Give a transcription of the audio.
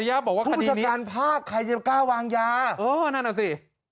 เดี๋ยวผู้ชะการภาพใครจะกล้าวางยาอ๋อนั่นอ่ะสิ